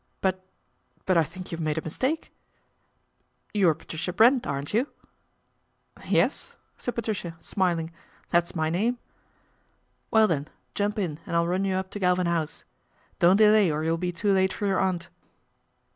" But but I think you've made a mistake/" ' You're Patricia Brent, aren't you ?"" Yes," said Patricia, smiling, " that's my name." ' Well then, jump in and I'll run you up to Salvin House. Don't delay or you'll be too late :or your aunt."